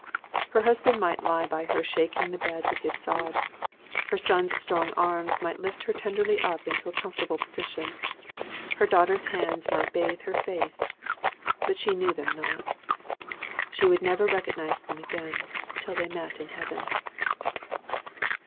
Her husband might lie by her shaking the bed with his sobs; her son's strong arms might lift her tenderly up into a comfortable position; her daughter's hands might bathe her face; but she knew them not. She would never recognise them again, till they met in Heaven.